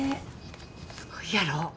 すごいやろ？